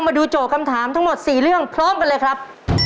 โจทย์คำถามทั้งหมด๔เรื่องพร้อมกันเลยครับ